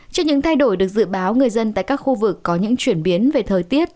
trước những thay đổi được dự báo người dân tại các khu vực có những chuyển biến về thời tiết